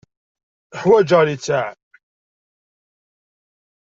Ḥwajeɣ littseɛ.